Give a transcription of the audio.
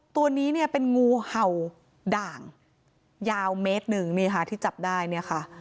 ตัวนี้เนี่ยเป็นงูเห่าด่างยาวเมตรหนึ่งนี่ค่ะที่จับได้เนี่ยค่ะ